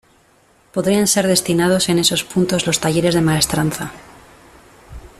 Podrían ser destinados en esos puntos los talleres de maestranza.